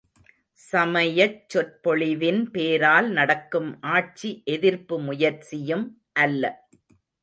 சமயச் சொற்பொழிவின் பேரால் நடக்கும் ஆட்சி எதிர்ப்பு முயற்சியும் அல்ல.